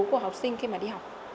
của học sinh khi mà đi học